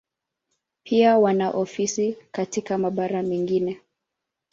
Pia wana ofisi katika mabara mengine.